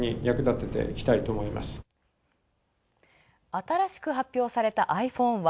新しく発表されたｉＰｈｏｎｅは